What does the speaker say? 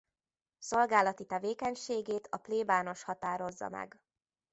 Szolgálati tevékenységét a plébános határozza meg.